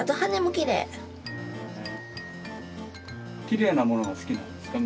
きれいなものが好きなんですか？